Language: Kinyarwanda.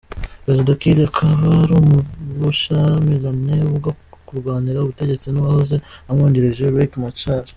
Perezida Kiir akaba ari mu bushyamirane bwo kurwanira ubutegetsi n’uwahoze amwungirije Riek Machar.